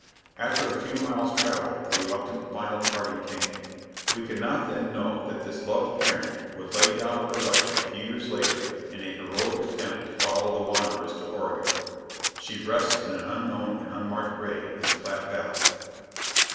After a few miles' travel the reluctant final parting came. We could not then know that this loved parent would lay down her life a few years later in a heroic attempt to follow the wanderers to Oregon. She rests in an unknown and unmarked grave in the Platte valley.